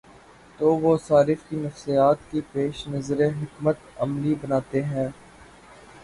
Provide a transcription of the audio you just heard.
تو وہ صارف کی نفسیات کے پیش نظر حکمت عملی بناتے ہیں۔